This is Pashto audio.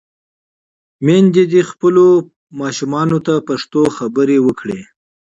میندې دې خپلو ماشومانو ته پښتو خبرې وکړي.